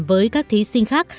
với các thí sinh khác